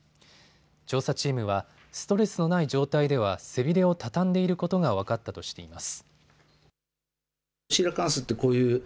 調査チームは、ストレスのない状態では背びれを畳んでいることが分かったとしています。